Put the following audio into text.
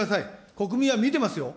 国民は見てますよ。